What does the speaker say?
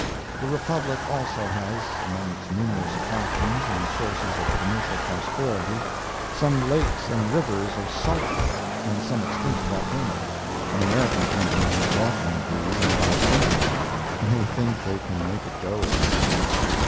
The Republic also has, among its numerous attractions and sources of commercial prosperity, some lakes and rivers of sulphur, and some extinct volcanoes—(an American Company has bought one of these and are sinking on it—they think they can make it go again.)